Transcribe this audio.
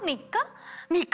３日？